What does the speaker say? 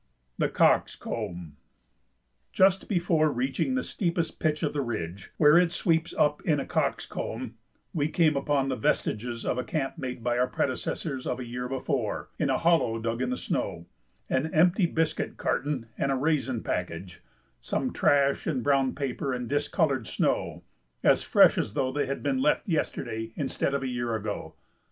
[Sidenote: The Cock's Comb] Just before reaching the steepest pitch of the ridge, where it sweeps up in a cock's comb, we came upon the vestiges of a camp made by our predecessors of a year before, in a hollow dug in the snow an empty biscuit carton and a raisin package, some trash and brown paper and discolored snow as fresh as though they had been left yesterday instead of a year ago.